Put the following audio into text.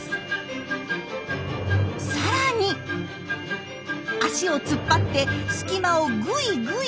さらに足を突っ張って隙間をグイグイ。